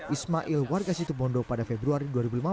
ismail wargasitubondo pada februari dua ribu lima belas